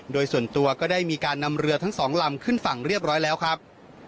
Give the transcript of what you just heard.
โดยส่วนตัวก็ได้มีการนำเรือทั้งสองลำขึ้นฝั่งเรียบร้อยแล้วครับ